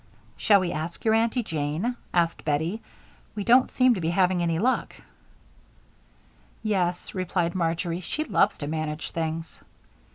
"Shall we ask your Aunty Jane?" asked Bettie. "We don't seem to be having any luck." "Yes," replied Marjory. "She loves to manage things."